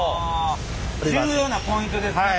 重要なポイントですね